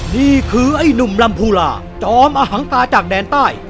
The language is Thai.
นี่คือไอ้หนุ่มลำพูลาจอมอหังกาจากแดนใต้